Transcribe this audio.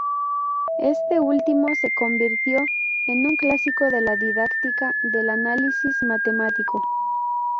Este último se convirtió en un clásico de la didáctica del análisis matemático.